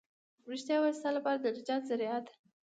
رښتيا ويل ستا لپاره د نجات ذريعه ده.